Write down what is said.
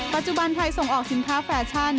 ปัจจุบันไทยส่งออกสินค้าแฟชั่น